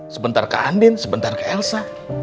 sebentar ke andin sebentar ke elsa